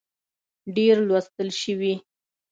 ډېر لوستل شوي